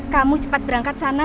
kamu cepat berangkat sana